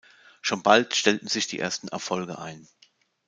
Schon bald stellten sich die ersten Erfolge ein.